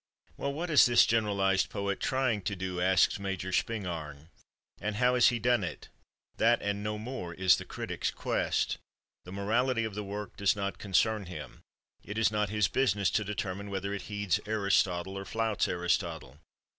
Well, what is this generalized poet trying to do? asks Major Spingarn, and how has he done it? That, and no more, is the critic's quest. The morality of the work does not concern him. It is not his business to determine whether it heeds Aristotle or flouts Aristotle.